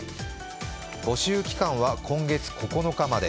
募集期間は今月９日まで。